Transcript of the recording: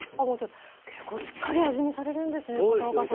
結構しっかり味見されるんですね片岡さん。